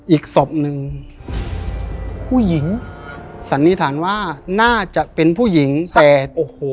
อีกศพหนึ่งผู้หญิงสันนิษฐานว่าน่าจะเป็นผู้หญิงแต่โอ้โห